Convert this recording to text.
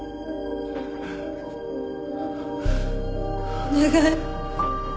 お願い。